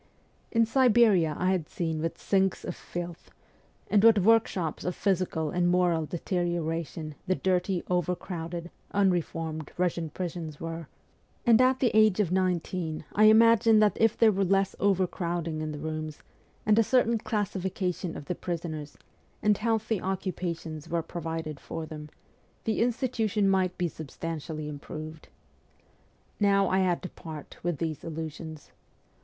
In Siberia I had seen what sinks of filth, and what 282 MEMOIRS OF A REVOLUTIONIST workshops of physical and moral deterioration the dirty, overcrowded, ' unref ormed ' Eussian prisons were, and at the age of nineteen I imagined that if there were less overcrowding in the rooms, and a certain classification of the prisoners, and healthy occupations were provided for them, the institution might be sub stantially improved. Now, I had to part with these illusions.